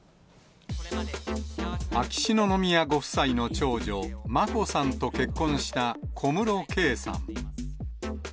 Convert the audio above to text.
秋篠宮ご夫妻の長女、眞子さんと結婚した小室圭さん。